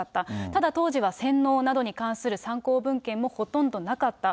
ただ、当時は洗脳などに関する参考文献もほとんどなかった。